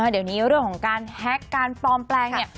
เดี๋ยวนี้เรื่องของการแฮ็กการปลอมแปลงเนี่ย